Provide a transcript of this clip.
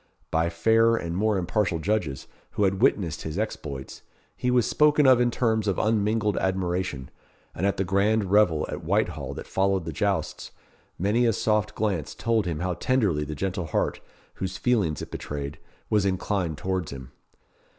By fairer and more impartial judges, who had witnessed his exploits, he was spoken of in terms of unmingled admiration; and at the grand revel at Whitehall that followed the jousts, many a soft glance told him how tenderly the gentle heart, whose feelings it betrayed, was inclined towards him.